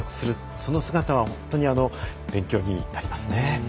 その姿は本当に勉強になりますね。